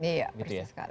iya betul sekali